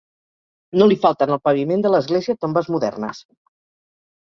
No li falten al paviment de l'església tombes modernes.